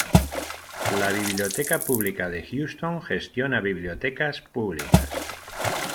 La Biblioteca Pública de Houston gestiona bibliotecas públicas.